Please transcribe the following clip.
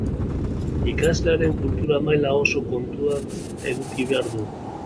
Ikaslearen kultura maila oso kontuan eduki behar dugu.